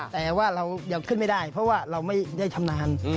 แต่ว่าเรายังขึ้นไม่ได้เพราะว่าเราไม่ได้ชำนาญ